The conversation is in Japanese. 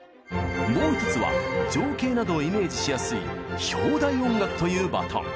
もう１つは情景などをイメージしやすい「標題音楽」というバトン。